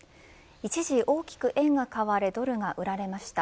一時大きく円が買われドルが売られました。